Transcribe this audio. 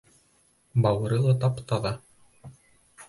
Бауыры ла тап-таҙа...